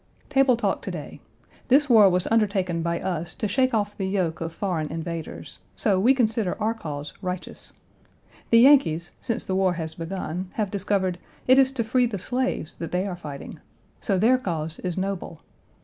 Table talk to day: This war was undertaken by us to shake off the yoke of foreign invaders. So we consider our cause righteous. The Yankees, since the war has begun, have discovered it is to free the slaves that they are fighting. So their cause is noble.